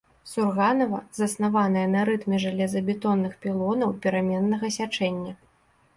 Сурганава, заснаваная на рытме жалезабетонных пілонаў пераменнага сячэння.